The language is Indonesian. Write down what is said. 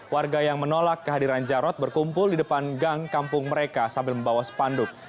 warga yang menolak kehadiran jarod berkumpul di depan gang kampung mereka sambil membawa sepanduk